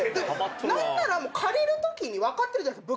何なら借りるときに分かってるじゃないですか。